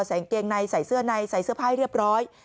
กางเกงในใส่เสื้อในใส่เสื้อผ้าเรียบร้อย